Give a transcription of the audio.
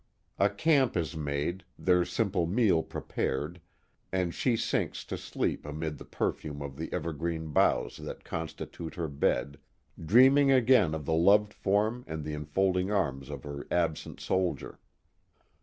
A camp is made, their simple meal prepared, and she sinks to sleep amid the perfume of the evergreen boughs that constitute her bed, dreaming again of the loved form and the enfolding arms of her absent soldier.